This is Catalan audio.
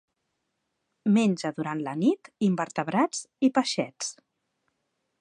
Menja, durant la nit, invertebrats i peixets.